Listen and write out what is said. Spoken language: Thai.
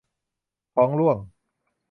ท้องร่วง